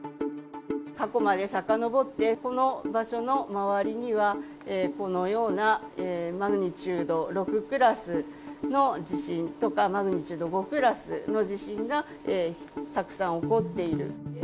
過去までさかのぼって、この場所の周りには、このようなマグニチュード６クラスの地震とか、マグニチュード５クラスの地震がたくさん起こっている。